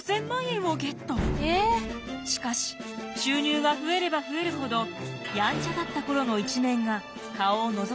しかし収入が増えれば増えるほどヤンチャだったころの一面が顔をのぞかせ始めます。